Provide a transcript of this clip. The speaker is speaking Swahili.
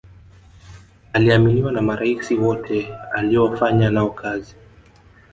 aliaminiwa na maraisi wote aliyofanya nao kazi